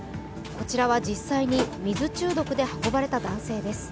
こちらは実際に水中毒で運ばれた男性です。